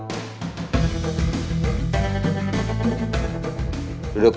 sini yang haruscriburt